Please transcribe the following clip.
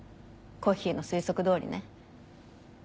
コッヒーの推測通りね。